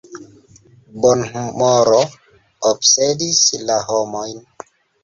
Bonhumoro obsedis la homojn.